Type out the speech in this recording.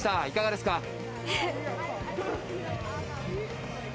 いかがですか？